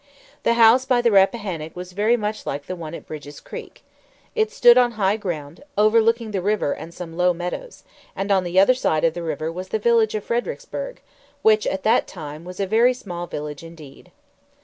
The house by the Rappahannock was very much like the one at Bridge's Creek. It stood on high ground, overlooking the river and some low meadows; and on the other side of the river was the village of Fredericksburg, which at that time was a very small village, indeed.